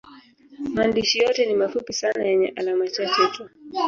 Maandishi yote ni mafupi sana yenye alama chache tu.